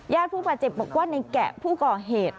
ผู้บาดเจ็บบอกว่าในแกะผู้ก่อเหตุ